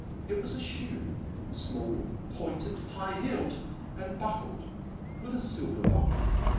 It was a shoe, small, pointed, high heeled, and buckled with a silver buckle.